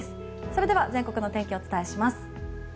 それでは全国の天気お伝えします。